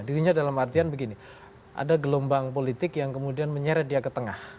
dirinya dalam artian begini ada gelombang politik yang kemudian menyeret dia ke tengah